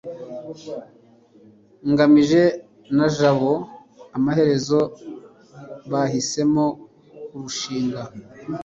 ngamije na jabo amaherezo bahisemo kurushinga